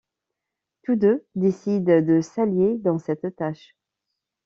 Tous deux décident de s'allier dans cette tâche.